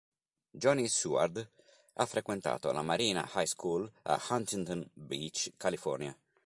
Johnny Seward ha frequentato la Marina High School a Huntington Beach, California.